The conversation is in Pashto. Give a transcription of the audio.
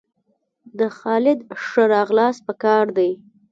د خالد ښه راغلاست په کار دئ!